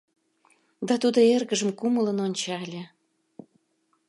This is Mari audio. — Да тудо эргыжым кумылын ончале.